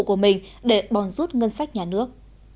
của mình để bòn rút ngân sách nhà nước